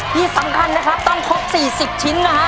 ที่สำคัญนะครับต้องครบ๔๐ชิ้นนะฮะ